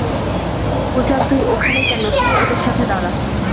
পূজা তুই ওখানে কেন, তুইও ওদের সাথে দাঁড়া।